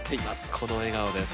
この笑顔です。